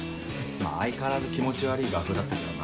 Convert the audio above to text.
まぁ相変わらず気持ち悪ぃ画風だったけどな。